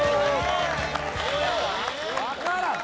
分からん